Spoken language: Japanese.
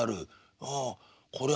「ああこれは何だ？